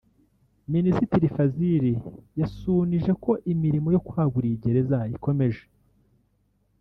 Minisitiri Fazil yasunije ko imirimo yo kwagura iyi gereza ikomeje